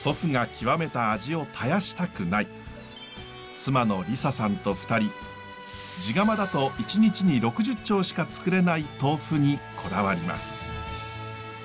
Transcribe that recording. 妻の理沙さんと２人地釜だと１日に６０丁しかつくれない豆腐にこだわります。